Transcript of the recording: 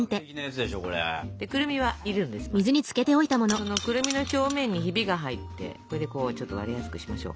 そのくるみの表面にヒビが入ってそれでこうちょっと割れやすくしましょう。